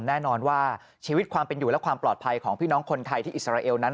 แน่นอนว่าชีวิตความเป็นอยู่และความปลอดภัยของพี่น้องคนไทยที่อิสราเอลนั้น